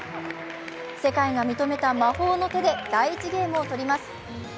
世界が認めた魔法の手で第１ゲームを取ります。